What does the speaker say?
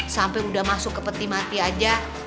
sampai udah masuk ke peti mati aja